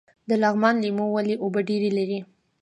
د لغمان لیمو ولې اوبه ډیرې لري؟